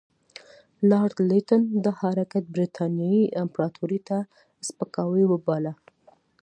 لارډ لیټن دا حرکت برټانیې امپراطوري ته سپکاوی وباله.